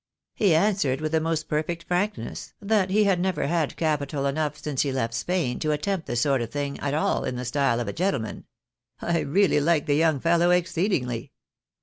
" He answered, with the most perfect frankness, that he had never had capital enough since he left Spain to attempt the sort of thing at all in the style of a gentleman. I really like the young fellow exceedingly."